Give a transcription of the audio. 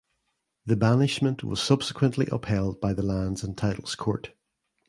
The banishment was subsequently upheld by the lands and Titles Court.